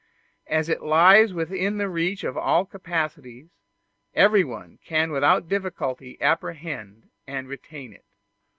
As it lies within the reach of all capacities, everyone can without difficulty apprehend and retain it.